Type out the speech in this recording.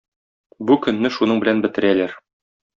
Бу көнне шуның белән бетерәләр.